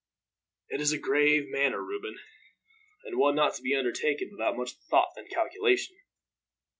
"It is a grave matter, Reuben, and one not to be undertaken without much thought and calculation.